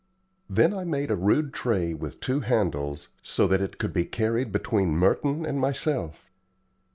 Then I made a rude tray with two handles, so that it could be carried between Merton and myself.